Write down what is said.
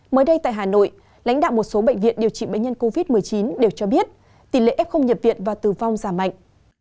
mới đây tại hà nội lãnh đạo một số bệnh viện điều trị bệnh nhân covid một mươi chín đều cho biết tỷ lệ f không nhập viện và tử vong giảm mạnh